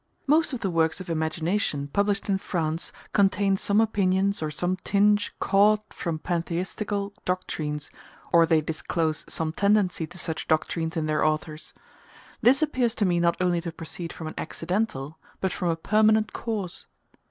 Most of the works of imagination published in France contain some opinions or some tinge caught from pantheistical doctrines, or they disclose some tendency to such doctrines in their authors. This appears to me not only to proceed from an accidental, but from a permanent cause.